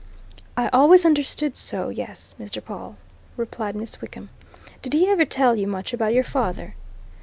"I always understood so yes, Mr. Pawle," replied Miss Wickham. "Did he ever tell you much about your father?"